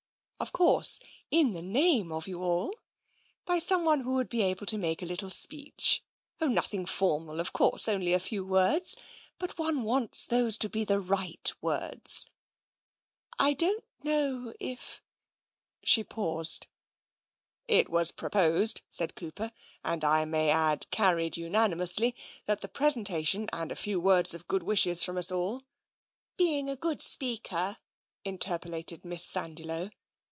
Of course, in the name of you all, by someone who would be able to make a little speech. Oh, nothing formal, of course, only a few words, but one wants those to be the right words ! I don't know if " She paused. " It was proposed," said Cooper —" and I may add carried unanimously — that the presentation and a few words of good wishes from us all "" Being a good speaker,*' interpolated Miss Sandiloe.